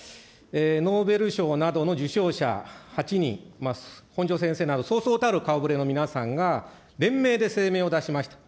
ノーベル賞などの受賞者８人、本庶先生など、そうそうたる顔ぶれの皆さんが、連名で声明を出しました。